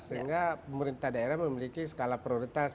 sehingga pemerintah daerah memiliki skala prioritas